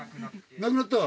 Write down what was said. なくなった？